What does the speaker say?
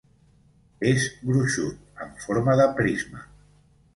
És gruixut, en forma de prisma.